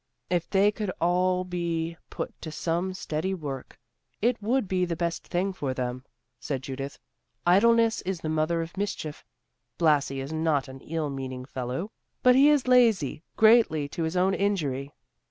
"If they could all be put to some steady work it would be the best thing for them," said Judith. "Idleness is the mother of mischief. Blasi is not an ill meaning fellow, but he is lazy, greatly to his own injury.